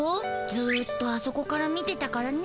ずっとあそこから見てたからね。